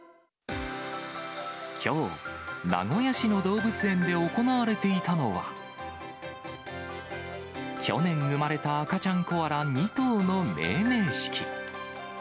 きょう、名古屋市の動物園で行われていたのは。去年産まれた赤ちゃんコアラ２頭の命名式。